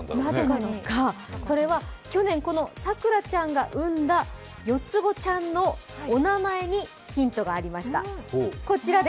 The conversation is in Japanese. それは去年、このサクラちゃんが生んだ四つ子ちゃんのお名前にヒントがありました。